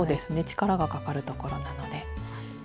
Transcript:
力がかかるところなので。